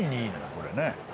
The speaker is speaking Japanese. これね